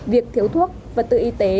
việc thiếu thuốc và tự y tế